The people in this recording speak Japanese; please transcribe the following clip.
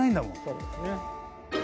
そうですね。